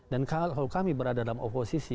dan kalau kami berada dalam oposisi